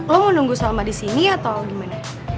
lo mau nunggu salma di sini atau gimana